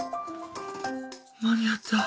間に合った。